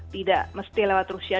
tidak mesti lewat rusia